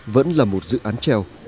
vẫn là một dự án treo